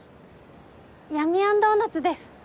闇あんドーナツです。